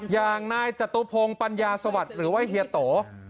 อย่างนายจตุพงศ์ปัญญาสวัสดิ์หรือว่าเฮียโต